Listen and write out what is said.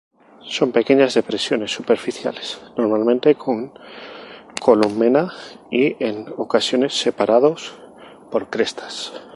Son pequeñas depresiones superficiales, normalmente con columela, y, en ocasiones, separados por crestas.